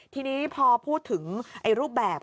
ทีนี้พอพูดถึงรูปแบบ